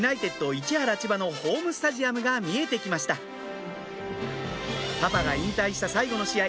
市原・千葉のホームスタジアムが見えて来ましたパパが引退した最後の試合